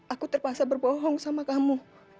aku terpaksa berbohong sama kamu